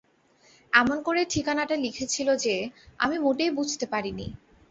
এমন করে ঠিকানাটা লিখেছিল যে, আমি মোটেই বুঝতে পারিনি।